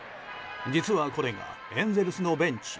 実はこれがエンゼルスのベンチ